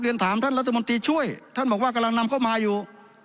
ถามท่านรัฐมนตรีช่วยท่านบอกว่ากำลังนำเข้ามาอยู่